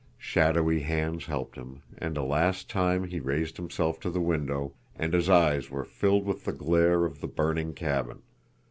Shadowy hands helped him, and a last time he raised himself to the window, and his eyes were filled with the glare of the burning cabin.